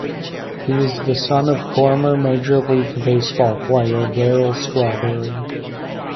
He is the son of former Major League Baseball player Darryl Strawberry.